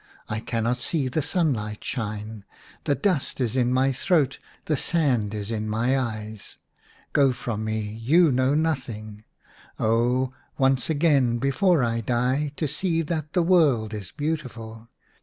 I cannot see the sunlight shine, the dust is in my throat, the sand is in my eyes ! Go from me, you know nothing ! Oh, once again before I die to see that the world is beautiful